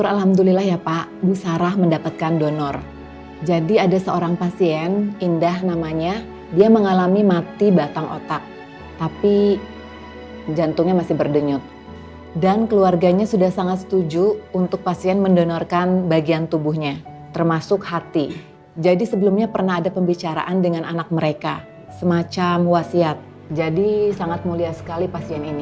alhamdulillah ya pak bu sarah mendapatkan donor jadi ada seorang pasien indah namanya dia mengalami mati batang otak tapi jantungnya masih berdenyut dan keluarganya sudah sangat setuju untuk pasien mendonorkan bagian tubuhnya termasuk hati jadi sebelumnya pernah ada pembicaraan dengan anak mereka semacam wasiat jadi sangat mulia sekali pasien ini